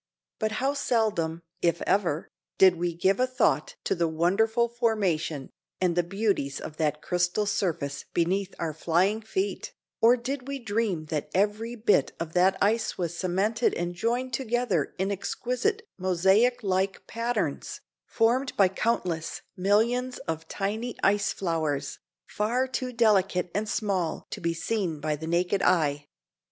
But how seldom, if ever, did we give a thought to the wonderful formation, and the beauties of that crystal surface beneath our flying feet, or did we dream that every bit of that ice was cemented and joined together in exquisite mosaic like patterns, formed by countless millions of tiny ice flowers, far too delicate and small to be seen by the naked eye.